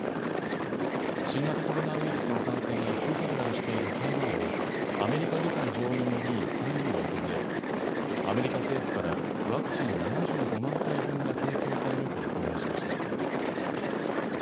新型コロナウイルスの感染が急拡大している台湾をアメリカ議会上院の議員３人が訪れアメリカ政府からワクチン７５万回分が提供されると表明しました。